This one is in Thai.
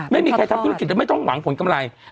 ไม่มีใครทำธุรกิจแต่ไม่ต้องหวังผลกำไร